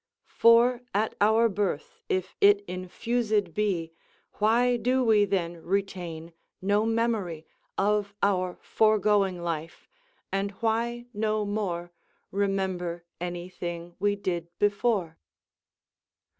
"For at our birth if it infused be, Why do we then retain no memory Of our foregoing life, and why no more Remember any thing we did before?"